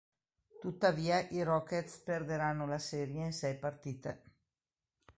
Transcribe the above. Tuttavia i Rockets perderanno la serie in sei partite.